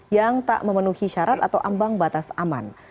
yang tak memenuhi syarat atau ambang batas aman